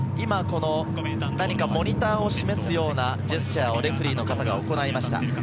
モニターを示すようなジェスチャーをレフェリーが行いました。